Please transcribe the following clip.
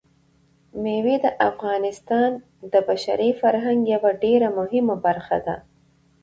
مېوې د افغانستان د بشري فرهنګ یوه ډېره مهمه برخه ده.